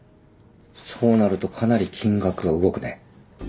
そうなるとかなり金額が動くね。